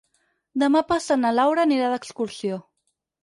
Demà passat na Laura anirà d'excursió.